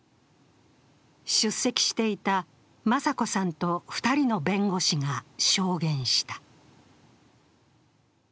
出席していた雅子さんと２人の弁護士が証言した。